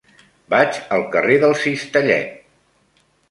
Vaig al carrer del Cistellet.